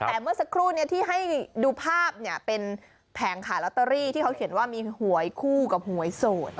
แต่เมื่อสักครู่นี้ที่ให้ดูภาพเนี่ยเป็นแผงขายลอตเตอรี่ที่เขาเขียนว่ามีหวยคู่กับหวยโสด